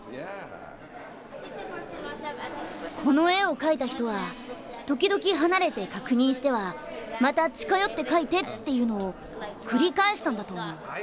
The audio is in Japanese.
この絵を描いた人は時々離れて確認してはまた近寄って描いてっていうのを繰り返したんだと思う。